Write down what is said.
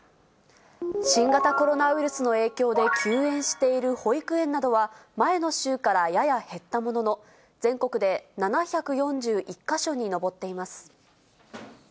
新型コロナウイルスの影響で休園している保育園などは、前の週からやや減ったものの、全国で７４１か所に上っています。